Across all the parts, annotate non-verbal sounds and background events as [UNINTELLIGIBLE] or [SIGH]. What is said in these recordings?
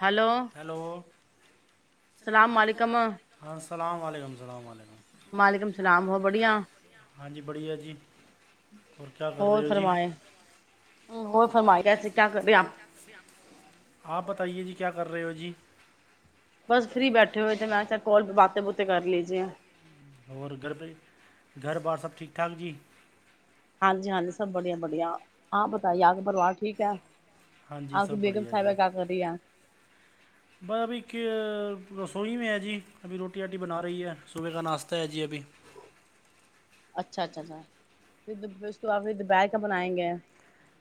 Hello hello السلام علیکم ہاں السلام علیکمل وعلیکم السلام ہو بڑھیا ہاں جی بڑھیا جی اور کیا کر اور رہے ہو جی فرمائے اور فرمائے کیسے کیا کرے آپ آپ بتائیے جی کیا کر رہے ہو جی بس فری بیٹھے ہوئے تھ میں چ کال بات بوتے کر لیجے آ اور گھر پر گھر بار سب ٹھیک ٹھاک جی ہاں جی ہاں ج سب بڑیا بڑھیا آپ بتائی آگ پروار ٹھیک ہے ہاں جی آپ کی سب بیگم بڑھیا صاحبہ جی کیا کر رہی آ بس ابھی کہ رسوئی میں ہے جی ابھی روٹی آٹی بنا رہی ہے صبح کا ناشتہ ہے جی ابھی اچھا اچھا اچھا پھر اس کوپ دوپہر کا بنائیں گے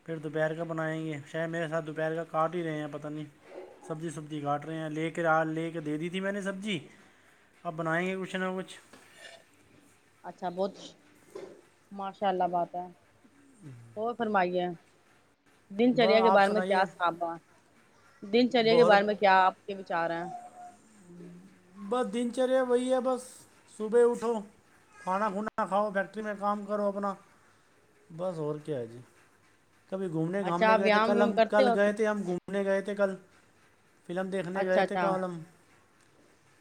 پھر دوپہر کا بنائیں گے شاید میرے ساتھ دوپہر کا کاٹ ہی رہے ہیں پتہ نہیں سبزی سبزی کاٹ رہے ہیں لے کے ر لے کے دے دی تھی میں نے سبزی اب بنائیں گے کچھ نہ کچھ اچھا بہت ماشاء اللہ بات ہے ہو فرمائی ہے [INAUDIBLE] دن چریا بس کے آپ بارے میں کیا سنائیے صاابا دن چریا کے بارے میں کیا آپ کے چاریں ب دن ا چرے وہی ہے بس صبح اٹھو کھانا کھوا کھاؤ فیکٹری میں کام کرو اپنا بس اور کیا ہے جی کبھی گھومنے اچھا گھامنے آپ گئے تھے ویام کل ویم ہم کرتے کل ہو گئے تھے ہم گھومنے گئے تھے کل فلم دیکھنے اچھا گئے تھے اچھا کالم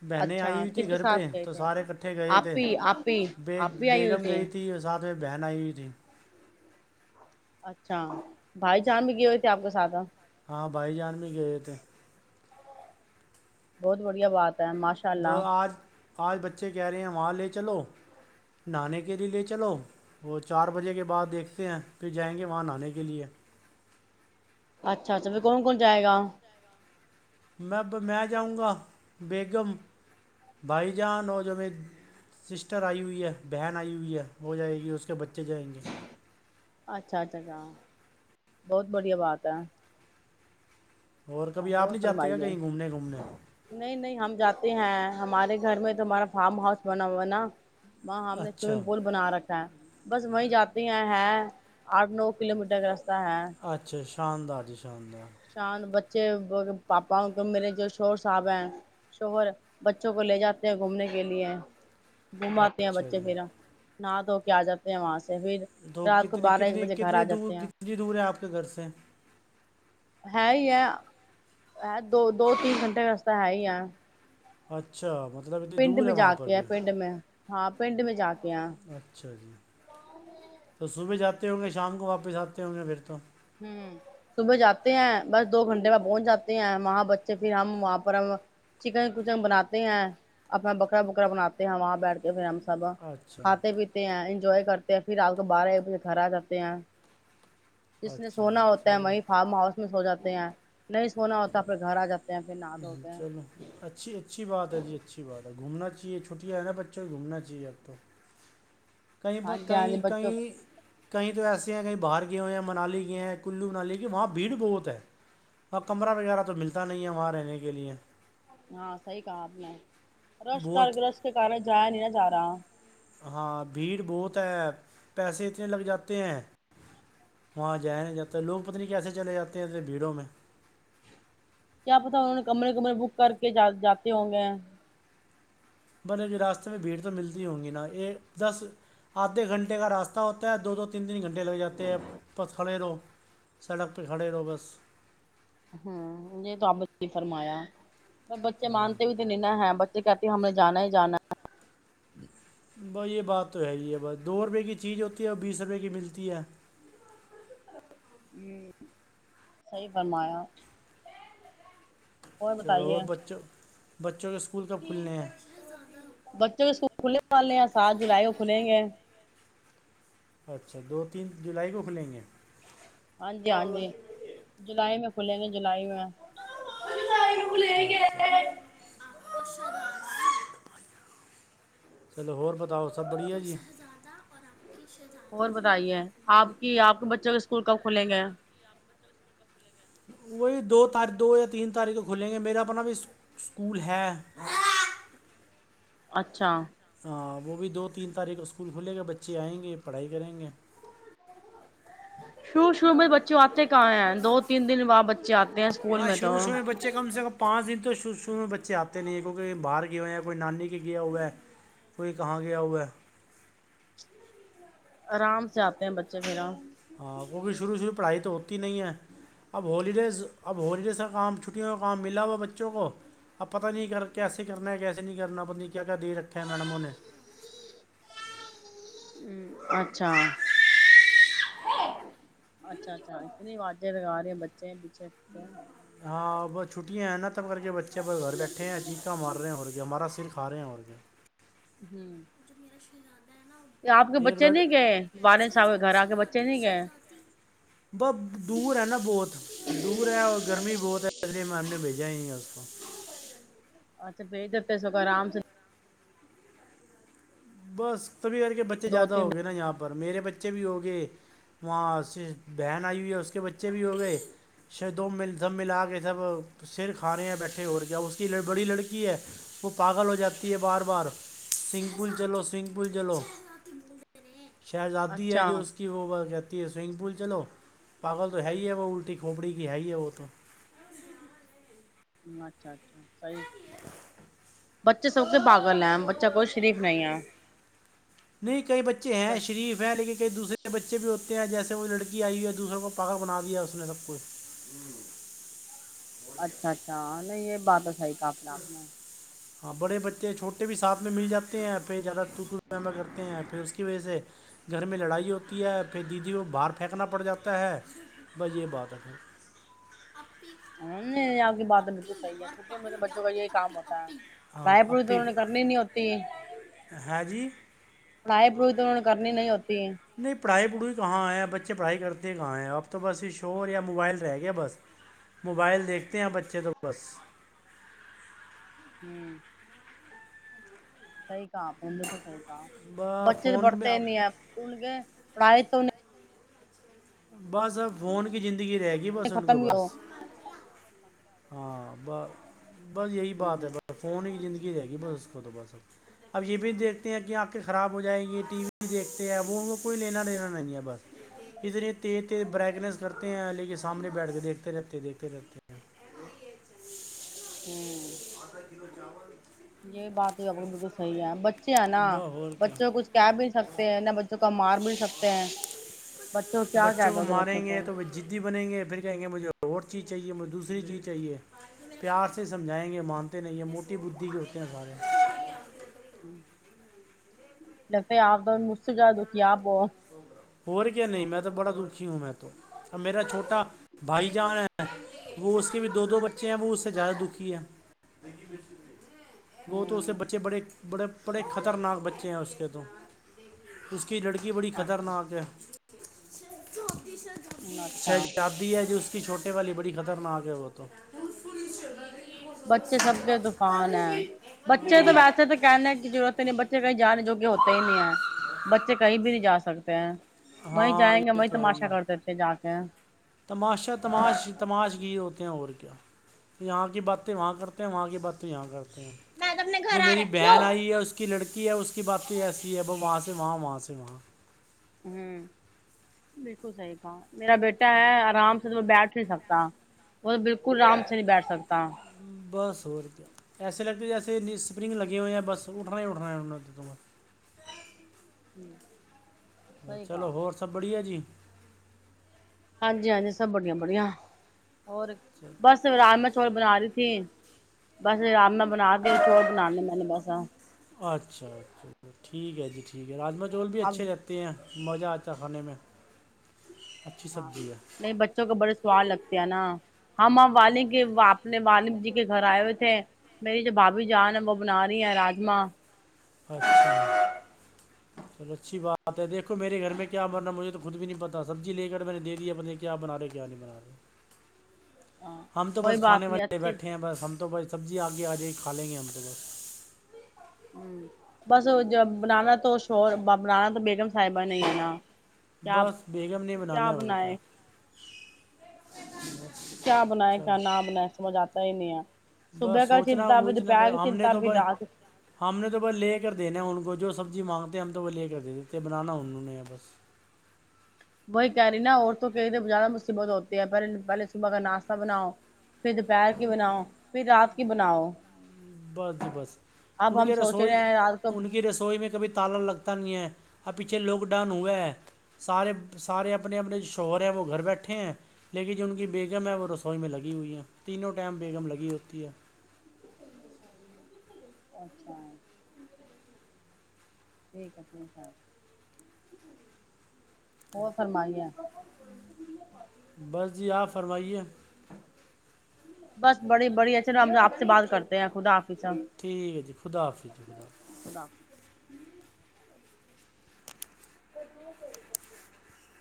بہنیں اچھا آئی ہوئی تھیں کس کے گھر پہ ساتھ گئے تو تھے سارے کٹھے گئے آپ تھے بھی آپ بھی بی آپ بھی آئی ہوئی بیگم تھیں گئی تھی اور ساتھ میں بہن آئی ہوئی تھی اچھا بھائی جان بھی کی ہوئے تھے آپ کے ساتھ ہاں بھائی جان بھی گئے تھے بہت بڑھیا بات ماشاء وہ اللہ آج آج بچے کہہ رہے ہیں وہاں لے چلو نہانے کے لیے لے چلو وہ چار بجے کے بعد دیکھتے ہیں پھر جائیں گے وہاں نہانے کے لیے اچھا اچھا ب کون کون جائے گا میں میں جاؤں گا بیگم بھائی جان اور جو میری سسٹر آئی ہوئی ہے بہن آئی ہوئی ہے وہ جائے گی اس کے بچے جائیں گے اچھا اچھا اچھا بہت بڑیا بات ہے اور آ کبھی ہو آپ نہیں جاتے فرمائی کیا ہے کہیں گھومنے گھومنے نہیں نہیں ہم جات ہیں ہمارے گھر میں تو ہمارا فارم ہاؤس بنا ہوا نا وہاں ہم نے اچھا سوئمنگ پول بنا رکھا ہے بس وہیں جاتے ہیں ہے آٹھ نو کلو میٹر کا راتے آ ہاں اچھا شاندار چانندہ بچے پاپاؤ کے میرے جو شور صاحب ہیں شور بچوں کو لے جاتے ہیں گھومنے کے لیے گوماتے ہیں اچھا بچے جی پھرا نہ تو کیا جاتے ہیں وہاں سے پھر تو رات کو کتنے بارہ ایک کتنی بجے گھر آ کتنی دور جاتے ہیں کتنی دور ہے آپ کے گھر سے ہے ہی ہے ہے دو دو تین گھنٹے کا رستہ ہے ہی ہے اچھا مطب پنڈ میں جا کے ہے پنڈ میں ہاں پنڈ میں جا کے ہیں اچھا جی تو صبح جاتا تے ہوں گے شام کو واپس آتے ہوں گے پھر تو ہ صبح جاتے ہیں بس دو گھنٹے میں پہنچ جاتے ہیں وہاں بچے پھر ہم وہاں پر ہم چکن کچن بناتے ہیں اپنا بکرا بکرا بناتے ہیں وہاں بیٹھ کے پھر ہم سب اچھا کھاتے پیتے ہیں انجوائے کرتے ہیں پھر آپ کو بارہ ایک بجے گھر آ جاتے ہیں جس نے اچھا سونا ہوتا ہے چلو وہیں فارم ہاؤس سو جاتے ہیں نہیں سونا ہوتا پھر گھر آ جاتا ہ چلو اچھی اچھی بات ہے جی اچھی بات ہے گھومنا چاہیے چھٹیاں ہیں نا بچوں گھومنا چاہیے اب تو کہیں ہاں پر جی ہاں جی کہیں بچوں کہیں کہیں تو ایسے ہیں کہیں باہر گئے ہوئے ہیں منالی گئے ہیں کلو منالی کی وہاں بھیڑ بہت ہے وہاں کمرہ وغیرہ تو ملتا نہیں ہے وہاں رہنے کے لئے ہاں صحی کہا میں رش کر بہت گ رش کے کار جایا نہیں نہ جاتا ہاں ہاں بھیڑ بہت ہے پیسے اتنے لگ جاتے ہیں وہاں جیا نہیں جاتا لوگ پت نہیں کیسے چلے جاتے ہیں انے بھیڑوں میں کیا پتا انہوں نے کمرے کمرے بک کر کےا جاتے ہوں گے بل راستے میں بھیڑ تو ملتی ہوں گی نا یہ دس آدھے گھنٹے کا راستہ ہوتا ہے دو دو تین تین گھنٹے اڈے لگ جاتے ہیں پتھڑے لو سڑک پ گھڑے روگس ہوں ج ر رب نہیں فرمایا پر بچے ہاں مانتے ہو تو نہیںا ہے کہتی ہیں ہمیں جانا ہی جانا ہے بائی یہ بات تو ہے ہی ہے بس دو روپے کی چیز ہوتی ہے اور بیس روپے کی ملتی ہے ہ سی فرمایا اور چلو بچوں بچوں کے اس بچے کےکول کھلنے والے سات جولائی وہ کھلیں گے اچھا دو تین جولائی کو کھلیں گے ہاں جی ہاں جی جلائی میں کھلے نہیں جلائی میں [INAUDIBLE] چلو ہو ب تاؤ سب بڑیا جی اور بتائیے آپ کی آپ کے بچوں کے اسکول کب کھلیں گے وہی دو تاری دو یا تین تاریخ کھلیں گے میرا اپنا بھی اسکول ہے اچھا وہ بھی دو تین تاریخ اسکول کھلے گا بچے آئیں گے پڑھائی کریں گے شروع شروع میں بچے آتے کہاں ہیں دو تین دن بعد ب ب شروعروع میں بچے کم سے کم پانچ دن اک شرع شروع میں بچے آتے نہیں کیونکہ باہر گئے ہوئے ہیں کوئی نانی کے گیا ہوا ہے کوئی کہاں گیا ہوا ہے آرام سے آتے ہیں بچے پرا ہاں کیونکہ شروع شروع پڑھائی تو ہوتی نہیں ہے اب ہولیڈیز اب ہولیڈیز کا کام چھٹیوں کا کام ملا ہوا بچوں کو اب پتہ نہیں کر کیسے کرنا ہے کیسے نہیں کرنا پت نہیں کیا کیا دے رکھے ہیں میڈمو نے اچھا اچھا اچھا اتنی آازیں لگا رہی ہیں بچے پیچھےتے ہاں ب چھٹیاں ہیں نا تو سب کر کے بچے پر گھر بیٹھے ہیں چیقا مار رہے ہیں اور کے ہمارا سر کھا رہے ہیں اور کے ہوں آپ کے ایک بچے ل نہیں گئے والد صاحب کے گھر آ کے بچے نہیں گئے ب دور ہے نا بہت دور ہے اور گرمی ب ہے اس لیے میں ہم نے بھیجا ہی ہے اس کو اچھا بھیج دیتے ہیں س آرام سے بس تو بھیھی کر کے بچے دو زیادہ تین ہو دن۔ گئے نا یہاں پر میرے بچے بچے بھی ہوگئے وہاں بہن آئی ہوئی ہے اس کے بچے بھی ہوگئے ش سب ملا کے سب سر کھا رہے ہیں بیٹھے ہو کے اس کی بڑی لڑکی ہے وہ پاگل ہو جاتی ہے بار بار سنگل چلو سونگ پل چلو شہزادی ہے اچھا جو اس کی وہ کہتے سوئمنگ پول چلو پاگل تو ہے ہی ہے وہ الٹی کھوپڑی کی ہے ہی ہے وہ تو اچھا اچھا صی بچے سب کے پاگل ہیں بچہ کوئی شریف نہیں ہے نہیں کئی بچے ہیں بس شریف ہے لیکن کئی دوسرے بچے بچے بھی ہوتے ہیں جیسے وہ لڑکی آئی ہوئی ہے دوسروں کو پاگا بنا دیا اس نے سب کوچھ اچھا اچھا ہ نہیں یہ بات ساب کاپڑ بنا ہاں بڑے بچے چھوٹے بھی ساتھ میں مل جاتے ہیں پھر زیادہ تووط پما کرتے ہیں پھر اس کی وجہ سے گھر میں لڑائی ہوتی ہے پھر دیدی کو باہر پھینکنا پڑ جاتا ہے بس یہ بات ہے ا نہیں آ کے بعد صحیح ہے چھٹی بچوں کا یہی کام ہوتا ہے ہاں بھائی اب پڑھی تو بھی انہوں نے کرنی ہی نہیں ہوتی ہے جی پڑھائی پڑوئی تو انہ نے کرنی نہیں ہوتی ہے۔ نہیں پڑھائی پڑھوئی کہاں آئے ہیں بچے پڑھائی کرتے ہیں کہاں ہے اب تو بس یہ شور یا موبائل رہ گیا بس موبائل دیکھتے ہیں بچے تو بس [UNINTELLIGIBLE] ہوں [UNINTELLIGIBLE] سح کا اپ ل تو سیح ب بچید فون میں بڑتا ن آپ ان گ پڑھائے تو نہیں [UNINTELLIGIBLE] بس فون کے ج [UNINTELLIGIBLE] گی رہے گی بسنت کو ختم ہی بس ہو ہاں [UNINTELLIGIBLE] ب بس یہی بات ہے ہوں بس فون ہی زندگی رہے گی بس اس کو تو بس اب یہ بھی دیکھتے ہیں کہ آنکھیں خراب ہو جائیں گی ٹی وی دیکھتے ہیں وہ وہ کوئی لینا لینا نہیں ہے بس ادھر تز برائٹنیس کرتے ہیں ل کے سامنے بیٹھ کے دیکھتے رہتے دیکھتے رہتے ہی [UNINTELLIGIBLE] ہوں [UNINTELLIGIBLE] یہ بات یہ بالکل صحیح ہے بچے ہیں نا بس اور کیا بچوں کو کچھ کہہ بھی نہیں سکتے ہیں نہ بچوں کو مار بھی نہیں سکتے ہیں بچوں کو کیا کہ کو دو گے بچوں ماریں کو تو وہ ضدی بنیں گے پھر کہیں گے مجھے اور چیز چاہیے مجھے دوسری چیز چاہیے پیار سے سمجھائیں گے مان اتے نہیں موٹی بدھھی بھی اتے ہیں سار لگتا ہے آپ تو مجھ سے جا د کہ آپو اور کیا نہیں میں تو بڑا دکھی ہوں میں تو ا میرا چھوٹا بھائی جان ہے وہ اس کے بھی دو دو بچے ہیں وہ اس سے زیادہ دکھی ہے وہ تو اس سے ہوں بچے بڑے [UNINTELLIGIBLE] بڑے بڑے خطرناک بچے ہیں اس کے تو اس کی لڑکی بڑی اچھا خطرناک اچھا شہزادی ہے جو اس کی چھوٹے والی بڑی ختم کرھرنا آگ وہ تو بچے سب کے طفان ہے بچے تو ہاں ویسے تو کہنے کی ضرورت ہی نہیں بچے بے کہیں جا رہے جو کہ ہوتے ہی نہیں ہے بچے کہیں بھی نہیں جا سکتے ہیں وہیں ہاں جائیں گے یہ وہیں تو ہے ہی تماشا ہے کرتے تھے جا کے تماشا تماش تماش کی ہوتے ہیں اور کیا یہاں کی باتیں وہاں کرتے ہیں وہاں کی باتیں یہاں کرتے ہیں تو اپنے گھر جو آ میری رکھی بہن ہوں آئی ہے اس کی لڑکی ہے اس کی بات تو ایسی ہے وہ وہاں سے وہاں وہاں سے وہاں بالکل صحیح تھا میرا بیٹا ہے آرام سے تو بیٹھ نہیں سکتا وہ تو بالکل آرام سے نہیں بیٹھ سکتا بس ہو روپیہ ایسے لگتے جیسے اسپرنگ لگے ہوئے ہیںیا بس اٹھنا ہی اٹھنا ہے ان نے ہوں [INAUDIBLE] چلو ہوور سب بڑییا جی [INAUDIBLE] ہاں جی ہاں جی سب بڑیا بڑیا [INAUDIBLE] اور چلو بس رام [INAUDIBLE] بنا رہی تھی بس رام میں [INAUDIBLE] بنا چوور بناے نے بس [INAUDIBLE] اچھا اچھا ٹھیک ہے جی ٹھیک [INAUDIBLE] یہ راما چاول بھی اچھے لگتے ہیں [INAUDIBLE] مزہ آتا کھانے میں [INAUDIBLE] اچھی ہاں سبزی ہے نہیں بچوں کو بڑے سواد لگتے ہیں نا [INAUDIBLE] ہم ہماں والک اپنے والد جی کے گھر آئے ہوئے تھے میری جو بھابھی جان ہے وہ بنا رہی ہیں راجما [INAUDIBLE] اچھا [INAUDIBLE] چلو اچھی بات ہے دیکھو میرے گھر میں کیا بننا مجھے تو خود بھی نہیں پتا سبزی لے کر میں نے دے دیا پت نہیں کیا بنا رہے کیا نہیں بنا رہے [INAUDIBLE] ہم تو کوئی بس کھانے بات نہیں والے اچھی بیٹھے ہیں بس ہم تو بس سبزی آگے آ جائی ہی کھا لیں گے ہم مس [INAUDIBLE] بس بنانا تو بنانا تو بیگم [INAUDIBLE] صاحبہ نہیں ہے کیا بس بیگم نے کیا بنانا ہے اور بناائے [INAUDIBLE] کیا بنائے کیا چلو نہ بنائے سمجھ آتا [INAUDIBLE] نیا [INAUDIBLE] بس صبح کا سوچنا چنتا بھیھی ووچنا دوپہر بھائی کی ہم نے چنتا تو بھیھی بھائی رات [INAUDIBLE] ہم نے تو بس لے کر دینا ان کو جو سبزی مانگتے ہیں ہم تو وہ لے کر دے دیتے بنانا انہوں نے بس [INAUDIBLE] وہی کہہ رہی نا اورورت کہ تو زیادہ مصیبت ہوتی ہے پہلے پہلے صبح کا ناشتہ بناؤ [INAUDIBLE] پھر دوپہر کی بناؤ پھر رات کو [INAUDIBLE] کہ بناؤ [INAUDIBLE] بس جی بس ان اب ہم کی سوچ رسوئی رہے ہیں رات کو ان کی رسوئی میں کبھی تالا لگتا نہیں ہے [UNINTELLIGIBLE] اب پیچھے لواک ڈاؤن ہوا ہے سارے سارے اپنے اپنے جو شوہر ہیں وہ گھر بیٹھے ہیں لیکن جو ان کی بیگم ہے وہ رسوئی میں لگی ہوئی ہیں [UNINTELLIGIBLE] تینوں ٹائم بیگم لگی ہوتی ہے [UNINTELLIGIBLE] اچھا ٹھیک ہے ٹھیک ہے ہو فرمائی ہے [INAUDIBLE] بس جی آپ فرمائیے [UNINTELLIGIBLE] بس بڑی بڑی ا چلو ہم آپ سے بات کرتے ہیں خا آپ [INAUDIBLE] ٹھیک ہے جی خدا حافظ جی خدافظ خدا حافظ [UNINTELLIGIBLE] اور د پییرے کرتےے [INAUDIBLE]